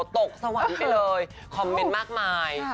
ตกสวรรค์ไปเลยคอมเมนต์มากมาย